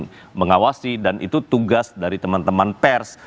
kemudian mengawasi dan itu tugas dari teman teman pers